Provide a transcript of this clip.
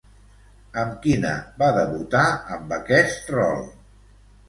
Amb quina va debutar amb aquest rol?